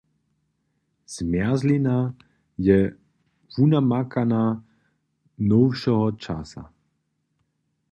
Zmjerzlina je wunamakanka nowšeho časa!